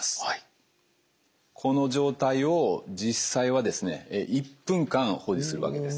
この状態を実際はですね１分間保持するわけです。